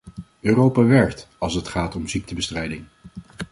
Europa werkt, als het gaat om ziektebestrijding.